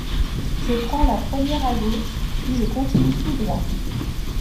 Je prends la première à gauche, puis je continue tout droit.